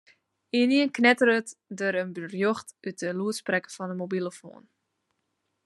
Ynienen knetteret der in berjocht út de lûdsprekker fan de mobilofoan.